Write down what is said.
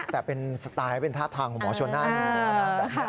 แต่เป็นสไตล์เป็นท่าทางของหมอชนน่าน